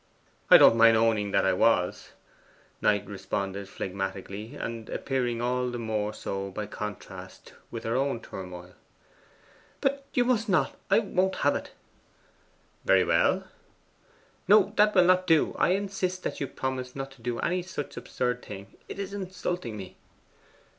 'I don't mind owning that I was,' Knight responded phlegmatically, and appearing all the more so by contrast with her own turmoil. 'But you must not! I won't have it.' 'Very well.' 'No, that will not do; I insist that you promise not to do any such absurd thing. It is insulting me!